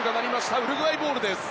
ウルグアイボールです。